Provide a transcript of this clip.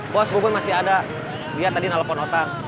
bos bubur masih ada dia tadi nelfon otak